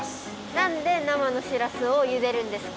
なんでなまのしらすをゆでるんですか？